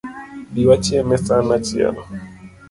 Bi wachiem e san achiel